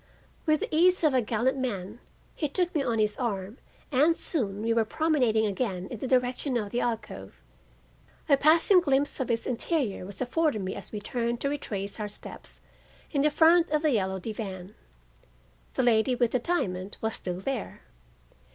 With the ease of a gallant man he took me on his arm and soon we were promenading again in the direction of the alcove. A passing glimpse of its interior was afforded me as we turned to retrace our steps in front of the yellow divan. The lady with the diamond was still there.